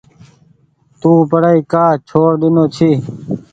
تو پڙآئي ڪآ ڇوڙ ۮينو ڇي۔